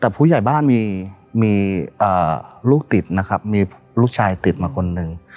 แต่ผู้ใหญ่บ้านมีลูกติดนะครับมีลูกชายติดมาคนหนึ่ง